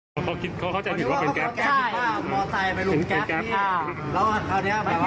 ดูข้าวเดี๋ยวเนี่ย